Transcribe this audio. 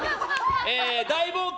大冒険。